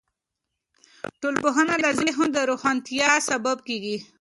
ټولنپوهنه د ذهن د روښانتیا سبب کیږي.